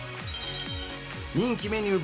人気メニュー